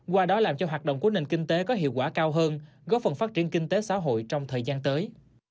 qua đó làm cho hoạt động của nền kinh tế có hiệu quả cao hơn góp phần phát triển kinh tế xã hội trong thời gian tới